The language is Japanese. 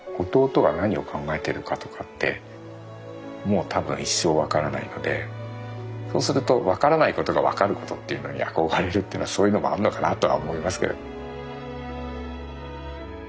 もう多分一生分からないのでそうすると分からないことが分かることっていうのに憧れるっていうのはそういうのもあんのかなとは思いますけれど。